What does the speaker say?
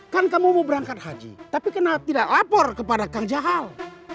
kan kamu mau berangkat haji tapi kenapa tidak lapor kepada kang jaal